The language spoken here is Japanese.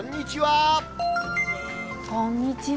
こんにちは。